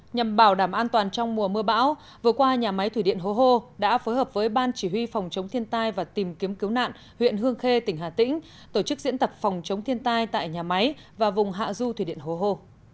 nhằm bảo đảm an toàn trong mùa mưa bão vừa qua nhà máy thủy điện hố hô đã phối hợp với ban chỉ huy phòng chống thiên tai và tìm kiếm cứu nạn huyện hương khê tỉnh hà tĩnh tổ chức diễn tập phòng chống thiên tai tại nhà máy và vùng hạ du thủy điện hố hô